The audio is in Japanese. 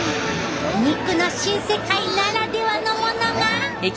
肉の新世界ならではのものが。